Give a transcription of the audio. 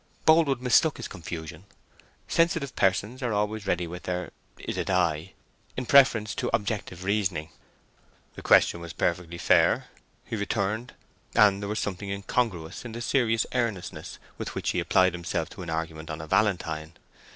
Boldwood mistook his confusion: sensitive persons are always ready with their "Is it I?" in preference to objective reasoning. "The question was perfectly fair," he returned—and there was something incongruous in the serious earnestness with which he applied himself to an argument on a valentine.